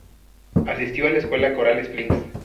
Asistió a la escuela Coral Springs.